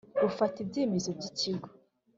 rufata ibyemezo by ikigo